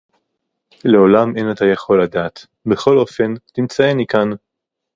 לעולם אין אתה יכול לדעת. בכל אופן, תמצאני כאן.